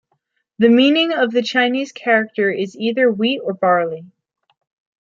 The meaning of the Chinese character is either wheat or barley.